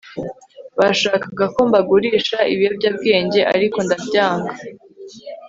bashakaga ko mbagurisha ibiyobyabwenge, ariko ndabyanga